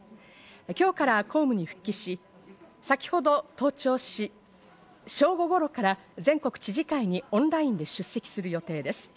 今日から公務に復帰し、先ほど登庁し、正午頃から全国知事会にオンラインで出席する予定です。